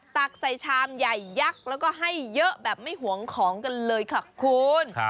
ตักใส่ชามใหญ่ยักษ์แล้วก็ให้เยอะแบบไม่หวงของกันเลยค่ะคุณ